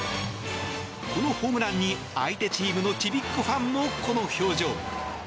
このホームランに相手チームのちびっこファンも、この表情。